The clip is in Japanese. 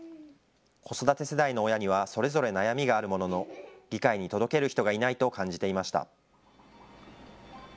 子育て世代の親にはそれぞれ悩みがあるものの、議会に届ける人がいないと感じていました。